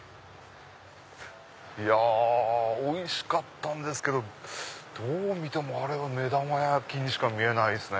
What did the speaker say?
いやおいしかったんですけどどう見てもあれは目玉焼きにしか見えないっすね。